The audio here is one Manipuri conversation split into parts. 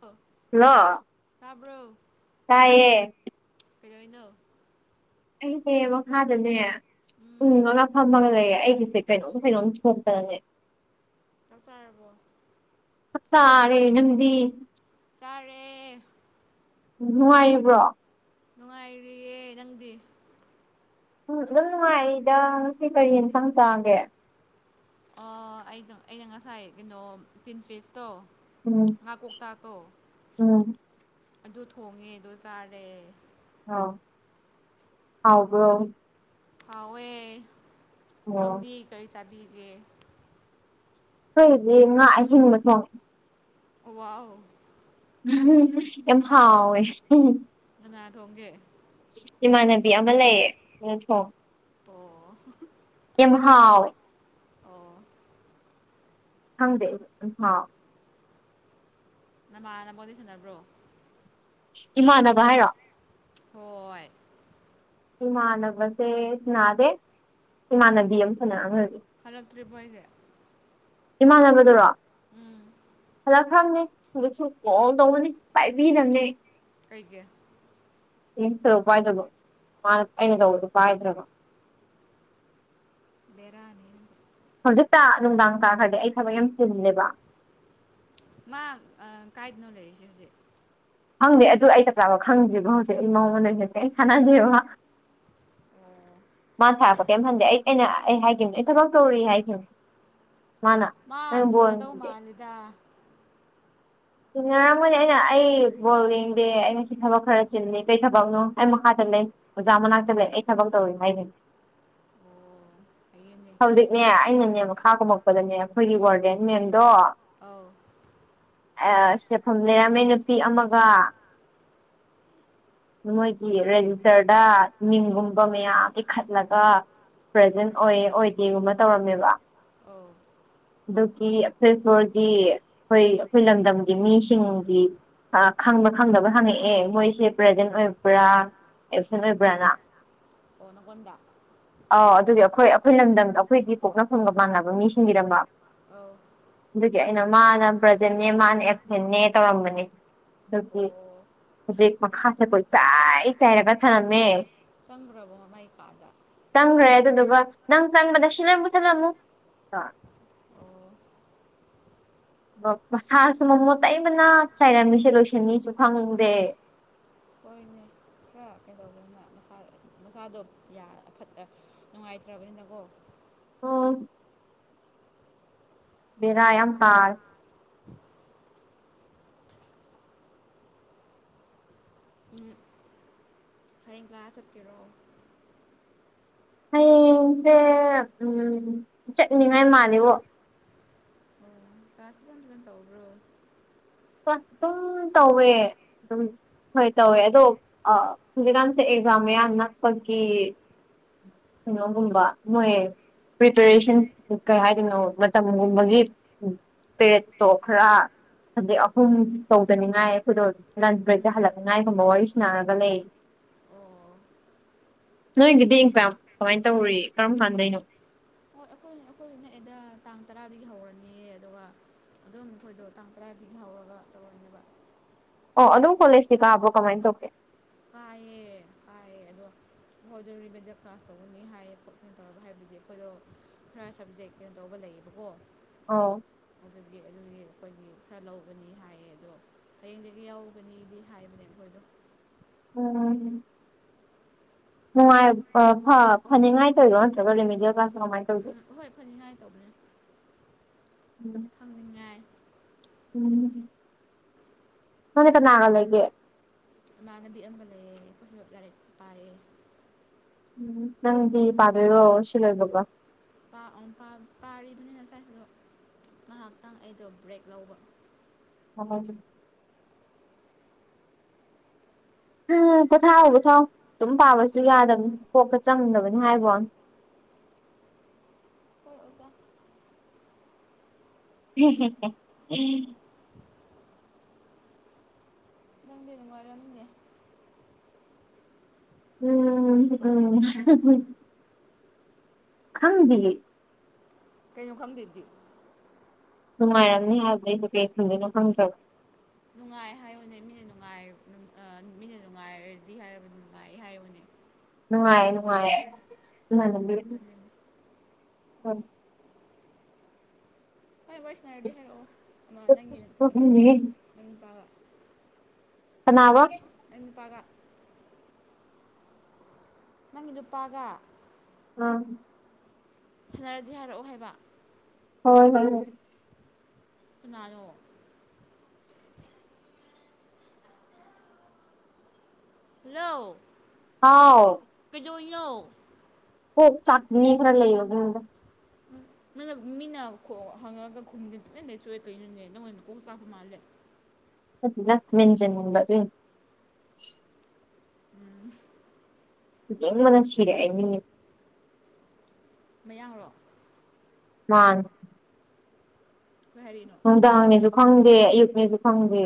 ꯍ ꯂ ꯇꯥꯕ꯭ꯔꯣ ꯇꯥꯏꯌꯦ ꯀꯩꯗꯧꯅꯣ ꯑꯩꯁꯦ ꯃꯈꯥꯗꯅꯦ ꯎꯝ ꯉꯅ ꯐꯝꯃꯒ ꯂꯩꯌꯦ ꯑꯩꯒꯤꯁꯦ ꯀꯩꯅꯣꯝ ꯀꯩꯅꯣꯝ ꯊꯣꯛꯇꯅꯦ ꯀꯆꯥꯔꯔꯕꯣ ꯁꯥꯥꯔꯦ ꯉꯗꯤ ꯆꯔꯦ ꯅꯨꯡꯉꯥꯏꯔꯤꯕ꯭ꯔꯣ ꯅꯨꯡꯉꯥꯏꯔꯤꯔꯤꯌꯦꯦ ꯅꯪꯗꯤ ꯎꯝ ꯑꯗꯨꯝ ꯅꯨꯡꯉꯥꯏꯔꯤꯗ ꯉꯁꯤ ꯀꯔꯤ ꯏꯟꯈꯥꯡ ꯆꯥꯒꯦ ꯑꯣ ꯑꯩꯗꯣ ꯑꯩꯅ ꯉꯁꯥꯏ ꯀꯩꯅꯣ ꯇꯤꯟ ꯐꯤꯁꯇꯣ ꯎꯝ ꯉꯥ ꯀꯣꯛꯇꯥꯛꯇꯣ ꯎꯝ ꯑꯗꯨ ꯊꯣꯡꯉꯦꯗꯣ ꯆꯥꯔꯦ ꯑꯥꯎ ꯍꯥꯎꯕ ꯍꯥꯎꯋꯦ ꯑꯣ ꯁꯣꯝꯗꯤ ꯀꯔꯤ ꯆꯥꯕꯤꯒꯦ ꯑꯩꯈꯣꯏꯗꯤ ꯉꯥ ꯑ ꯍꯤꯡꯕ ꯁꯦ ꯋꯥꯎ ꯌꯥꯝꯦꯝ ꯍꯥꯎꯋꯋꯦ ꯀꯅꯥ ꯊꯣꯡꯒꯦ ꯏꯃꯥꯟꯅꯕꯤ ꯑꯃ ꯂꯩꯌꯦ ꯑꯗꯨ ꯊꯣꯡ ꯑꯣ ꯌꯥꯝ ꯍꯥꯎ ꯑꯣ ꯈꯪꯗꯦ ꯎ ꯍꯥꯎ ꯅꯃꯥꯟ ꯅꯕꯣꯗ ꯁꯥꯟꯅꯕ꯭ꯔꯣ ꯏꯃꯥꯟꯅꯕ ꯍꯥꯏꯔꯣ ꯍꯣꯏ ꯏꯃꯥꯟꯅꯕꯁꯦ ꯁꯅꯥꯗꯦ ꯑꯩ ꯏꯃꯥꯟꯅꯕꯤ ꯑꯃ ꯁꯅꯗꯤ ꯍꯜꯂꯛꯇ꯭ꯔꯤꯕꯣ ꯑꯩꯁꯦ ꯏꯃꯥꯟꯅꯕꯗꯨꯔꯣ ꯎꯝ ꯐꯖꯛꯈ꯭ꯔꯕꯅꯤ ꯍꯧꯖꯤꯛꯁꯨ ꯀꯣꯜ ꯇꯧꯅꯅꯤ ꯄꯥꯏꯕꯤꯅꯕꯅꯦ ꯀꯩꯒꯤꯦ ꯏ ꯄꯥꯏꯗꯕ ꯃꯥ ꯑꯩꯅ ꯇꯧꯕꯗꯣ ꯄꯥꯏꯗ꯭ꯔꯕ ꯕꯤꯔꯅꯤ ꯍꯧꯖꯤꯛꯇ ꯅꯨꯡꯗꯥꯡ ꯇꯥꯈ꯭ꯔꯗꯤ ꯑꯩ ꯊꯕꯛ ꯌꯥꯝ ꯆꯨꯝꯃꯦꯕ ꯃꯥ ꯀꯥꯏꯗꯅꯣ ꯂꯩꯔꯤꯁꯦ ꯍꯧꯖꯤꯛ ꯈꯪꯗꯦ ꯑꯗꯨ ꯑꯩ ꯇ ꯆ꯭ꯔꯥꯕ ꯈꯪꯗ꯭ꯔꯤꯕꯣ ꯍꯧꯖꯤꯛ ꯑꯩ ꯃꯉꯣꯟꯁꯦ ꯑꯩꯅ ꯁꯥꯟꯅꯗꯕꯕ ꯑꯣ ꯃꯥ ꯁꯥꯔꯛꯄ ꯀꯩꯝ ꯍꯟꯗꯦ ꯑꯩ ꯑꯩꯅ ꯑꯩ ꯍꯥꯏꯈꯤꯕꯅꯦ ꯑꯩ ꯊꯕꯛ ꯇꯧꯔꯤ ꯍꯥꯏꯈꯤꯕꯅꯦ ꯃꯥꯅ ꯃꯥ ꯅꯪ ꯆꯤꯡꯅꯗꯧ ꯕꯣꯜꯗꯦ ꯃꯥꯜꯂꯤꯗ ꯆꯤꯟꯅꯔꯝꯃꯣꯏꯅꯦ ꯑꯩꯅ ꯑꯩ ꯕꯣꯜ ꯌꯦꯡꯗꯦ ꯑꯩ ꯉꯁꯤ ꯊꯕꯛ ꯈꯔ ꯆꯤꯟꯂꯤꯀꯩ ꯊꯕꯛꯅꯣ ꯑꯩ ꯃꯈꯥꯗ ꯂꯩ ꯑꯣꯖꯥ ꯃꯅꯥꯛꯇ ꯂꯩ ꯑꯩ ꯊꯕꯛ ꯇꯧꯔꯤ ꯍꯥꯏꯒꯦ ꯑꯣ ꯐꯌꯦꯅꯦ ꯍꯧꯖꯤꯛꯅꯦ ꯑꯩꯅꯅꯦ ꯃꯈꯥ ꯀꯨꯝꯃꯛꯄꯗꯅꯦ ꯑꯩꯈꯣꯏꯒꯤ ꯋꯥꯔꯗꯦꯟ ꯃꯦꯝꯗꯣ ꯑꯧ ꯆꯦꯐꯝ ꯂꯩꯔꯝꯃꯦ ꯅꯨꯄꯤ ꯑꯃꯒ ꯃꯣꯏꯒꯤ ꯔꯦꯖꯤꯁꯇꯔꯗ ꯃꯤꯡꯒꯨꯝꯕ ꯃꯌꯥꯝ ꯏꯈꯠꯂꯒ ꯄ꯭ꯔꯖꯦꯟ ꯑꯣꯏ ꯑꯣꯏꯗꯦꯒꯨꯝꯕ ꯇꯧꯔꯝꯃꯦꯕ ꯑꯧ ꯑꯗꯨꯒꯤ ꯑꯩꯈꯣꯏ ꯐꯂꯣꯔꯒꯤ ꯑꯩꯈꯣꯏ ꯑꯩꯈꯣꯏ ꯂꯝꯗꯝꯒꯤ ꯃꯤꯁꯤꯡꯒꯤ ꯑ ꯈꯪꯕ ꯈꯪꯗꯕ ꯍꯪꯉꯛꯑꯦ ꯃꯣꯏꯁꯦ ꯄ꯭ꯔꯖꯦꯟ ꯑꯣꯏꯕ꯭ꯔꯥ ꯑꯦꯞꯁꯦꯟ ꯑꯣꯏꯕ꯭ꯔꯅ ꯑꯣ ꯅꯒꯣꯟꯗ ꯑꯥꯎ ꯑꯗꯨꯗꯤ ꯑꯩꯈꯣꯏ ꯑꯩꯈꯣꯏ ꯂꯝꯗꯝꯗ ꯑꯩꯈꯣꯏꯒꯤ ꯄꯣꯛꯅꯐꯝꯒ ꯃꯥꯟꯅꯕ ꯃꯤꯁꯤꯡ ꯏꯔꯝꯕ ꯑꯧ ꯑꯗꯨꯒꯤ ꯑꯩꯅ ꯃꯥꯅ ꯄꯕ꯭ꯔꯖꯦꯟꯅꯦ ꯃꯥꯅ ꯑꯦꯞꯁꯦꯟꯅꯦ ꯇꯧꯔꯝꯕꯅꯦ ꯑꯗꯨꯒꯤ ꯑꯣ ꯍꯧꯖꯤꯛ ꯃꯈꯥꯁꯦ ꯀꯣꯏ ꯆꯥꯏ ꯆꯥꯏꯔꯒ ꯊꯥꯅꯝꯃꯦ ꯆꯪꯒ꯭ꯔꯕꯣ ꯃꯥꯏ ꯀꯥꯗ ꯆꯪꯈ꯭ꯔꯦ ꯑꯗꯨꯗꯨꯒ ꯅꯪ ꯆꯪꯕꯗ ꯁꯤꯜꯂꯣꯏ ꯄꯨꯁꯟꯂꯝꯃꯨ ꯑꯣ ꯃꯁꯥꯁꯨ ꯃꯃꯣꯟꯠꯇꯩꯕꯅ ꯆꯥꯏꯔꯝꯃꯤꯁꯦ ꯂꯣꯏꯁꯟꯅꯦꯁꯨ ꯈꯪꯗꯦ ꯍꯣꯏꯅꯦ ꯈꯔ ꯀꯩꯗꯧꯕꯅꯣ ꯃꯁꯥ ꯃꯁꯥꯗꯣ ꯌꯥ ꯐꯠ ꯅꯨꯡꯉꯥꯏꯇ꯭ꯔꯕꯅꯤꯅꯀꯣ ꯑꯣ ꯕꯦꯔꯥ ꯌꯥꯝ ꯇꯥꯔꯦ ꯎꯝ ꯍꯌꯦꯡ ꯀꯂꯥꯁ ꯆꯠꯀꯦꯔꯣ ꯍꯌꯦꯡꯁꯦ ꯎꯝ ꯆꯠꯅꯤꯡꯉꯥꯏ ꯃꯥꯂꯦꯕꯣ ꯀꯂ꯭ꯁ ꯐꯖ ꯐꯖꯅ ꯇꯧꯕꯔꯣ ꯑꯗꯨꯝ ꯇꯧꯋꯦ ꯑꯗꯨꯝ ꯍꯣꯏ ꯇꯧꯋꯦ ꯑꯗꯣ ꯍꯧꯖꯤꯛꯀꯥꯟꯁꯦ ꯑꯦꯛꯖꯥꯝ ꯃꯌꯥꯝ ꯅꯛꯄꯒꯤ ꯀꯩꯅꯣꯒꯨꯝꯕ ꯃꯣꯏ ꯄ꯭ꯔꯤꯄꯦꯔꯦꯁꯟ ꯀꯩ ꯍꯥꯏꯗꯣꯏꯅꯣ ꯃꯇꯝꯒꯨꯝꯕꯒꯤ ꯄꯦꯔꯦꯠꯇꯣ ꯈꯔ ꯍꯧꯖꯤꯛ ꯑꯍꯨꯝ ꯇꯧꯗꯅꯤꯉꯥꯏ ꯑꯩꯈꯣꯏꯗꯣ ꯂꯟꯁ ꯎꯝ ꯕ꯭ꯔꯦꯛꯇ ꯎꯝ ꯍꯜꯂꯛꯅꯤꯉꯥꯏꯒꯨꯝꯕ ꯋꯥꯔꯤ ꯁꯅꯔꯒ ꯂꯩꯌꯦ ꯑꯣ ꯅꯣꯏꯒꯤꯗꯤ ꯑꯦꯛꯖꯥꯝ ꯀꯃꯥꯏꯅ ꯇꯧꯔꯤ ꯀꯔꯝ ꯀꯥꯟꯗꯩꯅꯣ ꯍꯣꯏ ꯑꯩꯈꯣꯏ ꯑꯩꯈꯣꯏ ꯅꯛꯑꯦꯗ ꯇꯥꯡ ꯇꯔꯥꯗꯒꯤ ꯍꯧꯔꯅꯤ ꯑꯗꯨꯒ ꯑꯗꯣ ꯃꯈꯣꯏꯗꯣ ꯇꯥꯡ ꯇꯔꯥꯗꯒꯤ ꯍꯧꯔꯒ ꯇꯧꯔꯅꯦꯕ ꯑꯣ ꯑꯗꯨꯝ ꯀꯣꯂꯦꯖꯇꯤ ꯀꯥꯕ꯭ꯔꯣ ꯀꯃꯥꯏꯅ ꯇꯧꯒꯦ ꯀꯥꯏꯌꯦ ꯀꯥꯏꯌꯦ ꯑꯗꯣ ꯐꯥꯎꯗꯔꯤꯕꯗ ꯀ꯭ꯂꯥꯁ ꯇꯧꯒꯅꯤ ꯍꯥꯏꯌꯦ ꯈꯣꯠ ꯀꯩꯅꯣ ꯇꯧꯔꯒ ꯍꯥꯏꯕꯗꯤ ꯑꯩꯈꯣꯏꯗꯣ ꯈꯔ ꯁꯕꯖꯦꯛ ꯀꯩꯅꯣ ꯇꯧꯕ ꯂꯩꯌꯦꯕꯀꯣ ꯑꯥꯎ ꯑꯗꯨꯒꯤ ꯑꯗꯨꯒꯤ ꯑꯩꯈꯣꯏꯒꯤ ꯈꯔ ꯂꯧꯕꯅꯤ ꯍꯥꯏꯌꯦ ꯑꯗꯣ ꯍꯌꯦꯡꯗꯒꯤ ꯌꯥꯎꯒꯅꯤꯗꯤ ꯍꯥꯏꯕꯅꯦ ꯑꯩꯈꯣꯏꯗꯣ ꯎꯝ ꯅꯨꯡꯉꯥꯏ ꯐ ꯐꯅꯤꯉꯥꯏ ꯇꯧꯋꯤꯔꯣ ꯅꯠꯇ꯭ꯔꯒ ꯔꯦꯃꯤꯗꯤꯌꯦꯜ ꯀ꯭ꯂꯥꯁ ꯇꯣ ꯀꯃꯥꯏꯅ ꯇꯧꯒꯦ ꯍꯣꯏ ꯐꯅꯤꯉꯥꯏ ꯇꯧꯕꯅꯦ ꯎꯝ ꯐꯪꯅꯤꯡꯉꯥꯏ ꯎꯝ ꯅꯪꯅ ꯀꯅꯥꯒ ꯂꯩꯒꯦ꯫ ꯏꯃꯥꯟꯅꯕꯤ ꯑꯃꯒ ꯂꯩꯌꯦ ꯄꯨꯁꯨ ꯂꯥꯏꯔꯤꯛ ꯄꯥꯏꯌꯦ꯫ ꯎꯝ ꯅꯪꯗꯤ ꯄꯗꯨꯏꯔꯣ ꯁꯤꯂꯣꯏꯕꯒ꯫ ꯄꯥꯔꯤꯕꯅꯤ ꯉꯁꯥꯏꯗꯣ ꯉꯥꯏꯍꯥꯛꯇꯪ ꯑꯩꯗꯣ ꯕ꯭ꯔꯦꯛ ꯂꯧꯕ꯫ ꯍ ꯎꯝ ꯄꯣꯊꯥꯎ ꯄꯣꯊꯥꯎ ꯑꯗꯨꯝ ꯄꯥꯕꯁꯨ ꯌꯥꯗꯕꯅꯤ ꯄꯣꯛꯀ ꯆꯪꯗꯕꯅꯤ ꯍꯥꯏꯕꯣ ꯍꯣꯏ ꯑꯣꯖꯥ ꯎꯝ ꯍꯝ ꯎꯝ ꯅꯪꯗꯤ ꯅꯨꯡꯉꯥꯏꯔꯝꯒꯦ ꯎꯝ ꯎꯝ ꯈꯪꯕꯤ ꯀꯩꯅꯣ ꯈꯪꯗꯦꯗꯤ ꯅꯨꯡꯉꯥꯏꯔꯝꯅꯤ ꯍꯥꯏꯕꯗꯩꯁꯨꯦ ꯀꯩ ꯈꯟꯗꯅꯣ ꯐꯪꯈ꯭ꯔꯕꯣ ꯅꯨꯡꯉꯥꯏ ꯍꯥꯏꯌꯨꯅꯦ ꯃꯤꯅ ꯅꯨꯡꯉꯥꯏ ꯃꯤꯅ ꯅꯨꯡꯉꯥꯏꯔꯗꯤ ꯍꯥꯏꯔꯕꯗꯤ ꯅꯨꯡꯉꯥꯏ ꯍꯥꯏꯌꯨꯅꯦ ꯅꯨꯡꯉꯥꯏꯦ ꯅꯨꯡꯉꯥꯏꯦꯅ ꯑꯗꯨꯅꯦ ꯍꯣꯏ ꯋꯥꯏꯁꯅꯔꯗꯤ ꯍꯥꯏꯔꯛꯑꯣ ꯑꯃ ꯅꯪꯒꯤ ꯀꯩꯅꯣ ꯅꯪ ꯅꯨꯄꯥꯒ ꯅꯥꯕ ꯅ ꯄꯒ ꯅꯪꯒꯤ ꯅꯨꯄꯥꯒ ꯑ ꯁꯥꯟꯅꯔꯗꯤ ꯍꯥꯏꯔꯛꯑꯣ ꯍꯥꯏꯕ ꯍꯣꯏ ꯍꯣꯏ ꯍꯣꯏ ꯁꯨꯅꯥꯅꯣ ꯍꯜꯂ ꯍꯥꯎ ꯄꯖꯣꯏꯌꯎ ꯑꯣ ꯆꯥꯛꯠꯅꯤ ꯈ꯭ꯔ ꯂꯩꯕꯒ ꯣꯏꯅ ꯃꯤꯅ ꯍꯪꯉꯑꯒ ꯈꯣꯡꯗꯦ ꯇꯨꯃꯤꯦꯟ ꯂꯩꯩ ꯆꯣꯏꯦ ꯀꯩꯅꯣꯅꯦꯦ ꯅꯪ ꯃꯣꯏ ꯃꯀꯣꯛ ꯆꯥꯛꯄ ꯃꯥꯜꯂꯦ ꯂ ꯃꯦꯟꯖꯟꯝꯕ ꯑꯗꯨ ꯎꯝ ꯌꯦ ꯃꯅꯥꯁꯤꯔꯦ ꯃꯌꯥꯡꯔꯣ ꯃꯥ ꯍꯔꯤꯅꯣ ꯅꯨꯡꯗꯥꯡꯅꯤꯁꯨ ꯈꯪꯗꯦ ꯑꯌꯨꯛꯅꯤꯁꯨ ꯈꯪꯗꯦ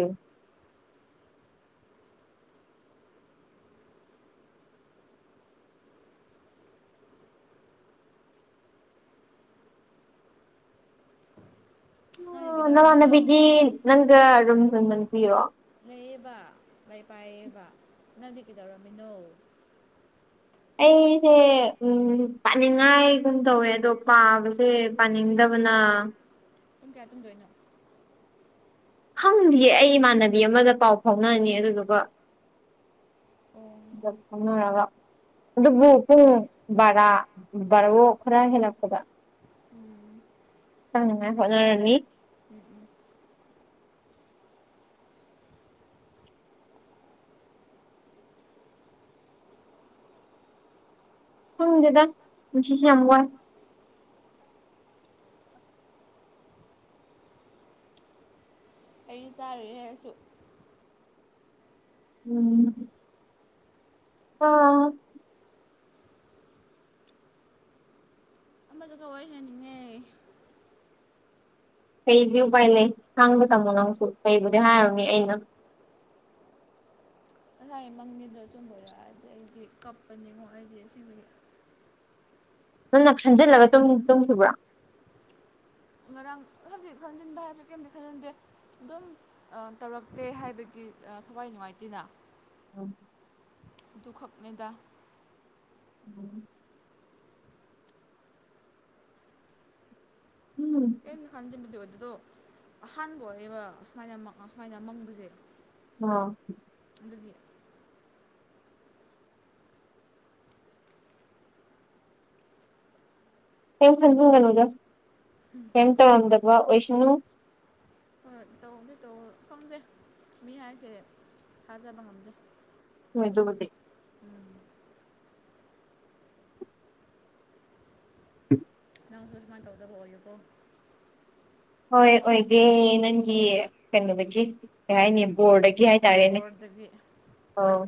ꯅꯪꯗꯤ ꯀꯩꯗꯧꯔꯝꯃꯤꯅꯣ ꯅꯃꯥꯟꯅꯕꯤꯗꯤ ꯅꯪꯒ ꯔꯨꯝ ꯌꯣꯟꯕ ꯄꯤꯔꯣ ꯂꯩꯌꯦꯕ ꯃꯥꯏ ꯄꯥꯏꯌꯦꯕ ꯅꯪꯗꯤ ꯀꯩꯗꯧꯔꯝꯃꯤꯅꯣ ꯑꯩꯁꯦ ꯎꯝ ꯄꯥꯅꯤꯡꯉꯥꯏꯒꯨꯝ ꯇꯧꯋꯦ ꯑꯗꯣ ꯄꯥꯕꯁꯦ ꯄꯥꯅꯤꯡꯗꯕꯅ ꯑꯗꯨꯨꯝ ꯀꯌꯥ ꯇꯨꯝꯗꯣꯏꯅꯣ ꯈꯪꯗꯌꯦ ꯑꯩ ꯏꯃꯥꯟꯅꯕꯤ ꯑꯃꯗ ꯄꯥꯎ ꯐꯥꯎꯅꯅꯤ ꯑꯗꯨꯗꯨꯒ ꯑꯣ ꯔꯒ ꯑꯗꯨꯕꯨ ꯄꯨꯡ ꯕꯥꯔꯥ ꯕꯥꯔꯔꯣ ꯈꯔ ꯍꯦꯜꯂꯛꯄꯗ ꯎꯝ ꯑ ꯍꯅꯣꯅꯤ ꯎꯝ ꯎꯝ ꯈꯪꯗꯦꯗ ꯄꯨꯟꯁꯤꯁꯨ ꯌꯥꯝ ꯋꯥꯏ ꯑꯩ ꯆꯥꯔꯨꯏ ꯍꯥꯏꯔꯁꯨ ꯎꯝ ꯑ ꯑꯃꯗꯨꯒ ꯋꯥꯔꯤ ꯁꯥꯅꯅꯤꯡꯉꯦ ꯀꯩꯗꯤ ꯎꯄꯥꯏ ꯂꯩ ꯈꯥꯡꯕ ꯇꯝꯃꯣ ꯅꯪꯁꯨ ꯀꯩꯕꯨꯗꯤ ꯍꯥꯏꯔꯨꯅꯤ ꯑꯩꯅ ꯉꯁꯥꯏ ꯃꯪꯒꯤꯗꯣ ꯑꯆꯨꯝꯕ ꯑꯣꯏꯔꯛꯑꯗꯤ ꯑꯩꯗꯤ ꯀꯞꯄꯅꯤꯉꯣ ꯑꯩꯗꯤ ꯑꯁꯦꯡꯕꯒꯤ ꯅꯪꯅ ꯈꯟꯖꯤꯜꯂꯒ ꯇꯨꯝ ꯇꯨꯝꯈꯤꯕ꯭ꯔꯣ ꯉꯔꯥꯡ ꯈꯟꯗꯤ ꯈꯟꯖꯤꯟꯕ ꯍꯥꯏꯕꯗꯤ ꯀꯩꯝꯇ ꯈꯟꯅꯗꯦ ꯑꯗꯨꯝ ꯑ ꯇꯧꯔꯛꯇꯦ ꯍꯥꯏꯕꯒꯤ ꯑ ꯊꯋꯥꯏ ꯅꯨꯡꯉꯥꯏꯇꯦꯅ [unintelligible] ꯑꯗꯨꯈꯛꯅꯦꯗꯥ [unintelligible] ꯎꯝ ꯀꯩꯝꯗ ꯈꯟꯖꯤꯟꯕꯗꯤ ꯑꯣꯏꯗꯦ ꯗꯣ ꯑꯍꯥꯟꯕ ꯑꯣꯏꯌꯦꯕ ꯑꯁꯨꯃꯥꯏꯅ ꯃꯪ ꯑꯁꯨꯃꯥꯏꯅ ꯃꯪꯕꯁꯦ ꯑꯣ ꯑꯗꯨꯒꯤ ꯀꯩꯝ ꯈꯟꯖꯤꯟꯒꯅꯨꯗ ꯎꯝ ꯀꯩꯝ ꯇꯧꯔꯝꯗꯕ ꯑꯣꯏꯁꯅꯨ ꯍꯣꯏ ꯇꯧꯕꯨꯗꯤ ꯇꯧꯔꯣꯏ ꯈꯪꯗꯦ ꯃꯤ ꯍꯥꯏꯁꯦ ꯊꯥꯖꯕ ꯉꯝꯗꯦ ꯍꯣꯏ ꯑꯗꯨꯕꯨꯗꯤ ꯎꯝ [unintelligible] ꯅꯪꯁꯨ ꯑꯁꯨꯃꯥꯏ ꯇꯧꯗꯕ ꯑꯣꯏꯌꯨꯀꯣ ꯍꯣꯏ ꯑꯣꯏꯒꯦ ꯅꯪꯒꯤ ꯀꯩꯅꯣꯗꯒꯤ ꯀꯩ ꯍꯥꯏꯅꯤ ꯕꯣꯔꯗ ꯒꯤ ꯍꯥꯏꯇꯥꯔꯦꯅꯦ ꯕꯣꯔꯗꯒꯤ ꯑꯣ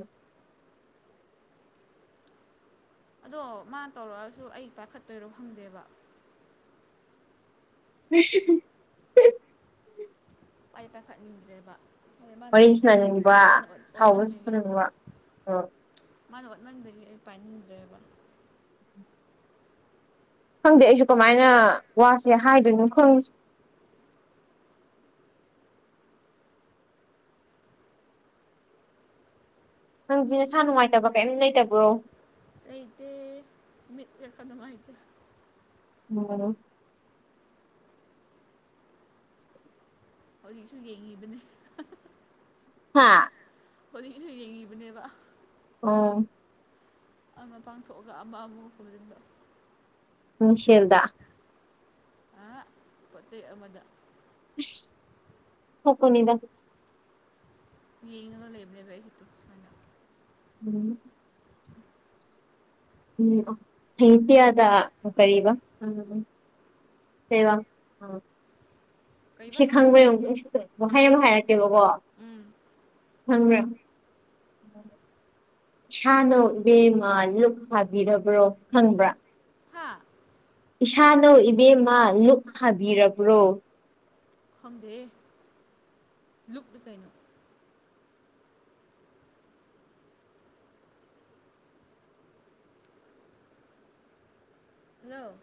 ꯑꯗꯣ ꯃꯥꯅ ꯇꯧꯔꯛꯑꯁꯨ ꯑꯩ ꯄꯥꯏꯈꯠꯇꯣꯏꯔꯣ ꯈꯪꯗꯦꯕ [unintelligible] ꯄꯥꯏꯗꯤ ꯄꯥꯏꯈꯠꯅꯤꯡꯗ꯭ꯔꯦꯕ ꯍꯣꯏ ꯃꯥꯅ ꯋꯥꯔꯤ ꯑꯣꯠꯃꯟꯕꯒꯤꯀꯣ ꯁꯥꯅꯅꯤꯡꯕ ꯃꯥꯅ ꯑꯣꯠ ꯁꯥꯎꯕꯁꯨ ꯑꯣꯠꯃꯟꯕꯒꯤ ꯁꯥꯅꯤꯡꯕ ꯑꯣ ꯃꯥꯅ ꯑꫭꯠꯃꯟꯕꯒꯤ ꯑꯩ ꯄꯥꯏꯅꯤꯡꯗ꯭ꯔꯦꯕ ꯈꯪꯗꯦ ꯑꯩꯁꯨ ꯀꯃꯥꯏꯅ ꯋꯥꯁꯦ ꯍꯥꯏꯗꯣꯏꯅꯣ ꯈꯪ ꯅꯪꯖꯦ ꯅꯁꯥ ꯅꯨꯡꯉꯥꯏꯇꯕ ꯀꯩꯝ ꯂꯩꯇꯕ꯭ꯔꯣ ꯂꯩꯇꯦ ꯃꯤꯠꯁꯦ ꯈꯔ ꯅꯨꯡꯉꯥꯏꯇꯦ ꯑꯣ ꯍꯧꯖꯤꯛꯁꯨ ꯌꯦꯡꯉꯤꯕꯅꯤ ꯍꯥ ꯍꯧꯖꯤꯛꯁꯨ ꯌꯦꯡꯉꯤꯕꯅꯦꯕ ꯑꯣ ꯑꯃ ꯄꯥꯡꯊꯣꯛꯑꯒ ꯑꯃ ꯑꯃꯨꯛ ꯈꯨꯝꯖꯤꯟꯕ ꯃꯤꯡꯁꯦꯜꯗꯥ ꯑꯍꯥ ꯄꯣꯠ ꯆꯩꯩ ꯑꯃꯗ ꯑꯁ ꯑꯣꯟꯊꯣꯛꯄꯅꯤꯗ ꯌꯦꯡꯉꯒ ꯂꯩꯕꯅꯦꯕ ꯑꯩꯁꯦ ꯇꯨ ꯁꯨꯃꯥꯏꯅ ꯎꯝ ꯎꯝ ꯁꯍꯤꯇꯤꯌꯥꯗ ꯀꯔꯤꯕ ꯎꯝ ꯀꯩꯕ ꯀꯩꯕ ꯁꯤ ꯈꯪꯕ꯭ꯔꯥ ꯌꯦꯡꯉꯨꯀꯣ ꯋꯥꯍꯩ ꯑꯃꯥ ꯍꯥꯏꯔꯛꯀꯦꯕꯀꯣ ꯎꯝ ꯈꯪꯕ꯭ꯔꯥ ꯏꯁꯥꯅꯧ ꯏꯕꯦꯝꯃ ꯂꯨꯨꯛ ꯍꯥꯕꯤꯔꯕ꯭ꯔꯣ ꯈꯪꯕ꯭ꯔꯥ ꯍꯥꯥ ꯏꯁꯥꯅꯧ ꯏꯕꯦꯝꯃ ꯂꯨꯛ ꯍꯥꯕꯤꯔꯕ꯭ꯔꯣ ꯈꯪꯗꯦꯍꯦ ꯂꯨꯛꯇꯤ ꯀꯩꯅꯣ ꯍꯜꯂꯣ